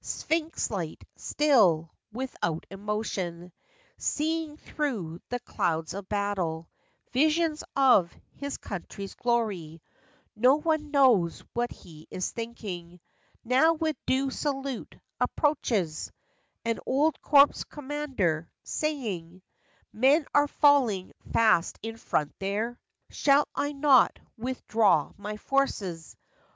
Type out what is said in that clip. Sphynx like, still; without emotion ; Seeing through the clouds of battle Visions of his country's glory! No one knows what he is thinking. Now, with due salute, approaches An old corps commander, saying :' Men are falling fast in front there ; Shall I not withdraw my forces ?